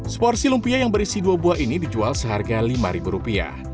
seporsi lumpia yang berisi dua buah ini dijual seharga rp lima